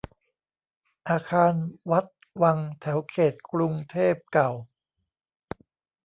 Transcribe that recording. อาคาร วัด วัง แถวเขตกรุงเทพเก่า